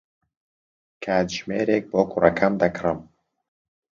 کاتژمێرێک بۆ کوڕەکەم دەکڕم.